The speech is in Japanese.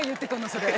それ。